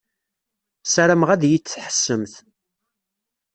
Sarameɣ ad yi-d-tḥessemt.